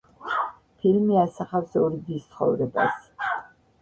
ფილმი ასახავს ორი დის ცხოვრებას.